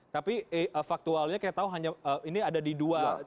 tapi faktualnya kayak tahu ini ada di dua